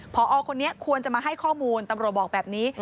พอคนนี้ควรจะมาให้ข้อมูลตำรวจบอกแบบนี้